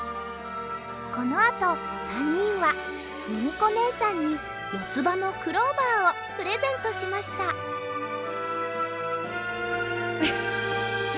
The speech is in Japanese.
このあと３にんはミミコねえさんによつばのクローバーをプレゼントしましたウフフッ。